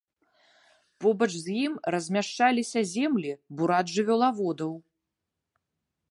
Побач з ім размяшчаліся зямлі бурат-жывёлаводаў.